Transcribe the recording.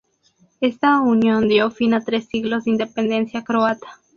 Esta unión dio fin a tres siglos de independencia croata.